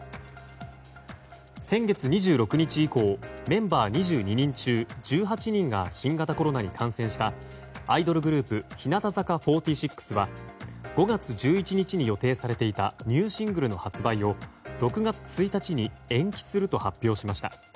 先月２６日以降メンバー２２人中１８人が新型コロナに感染したアイドルグループ、日向坂４６は５月１１日に予定されていたニューシングルの発売を６月１日に延期すると発表しました。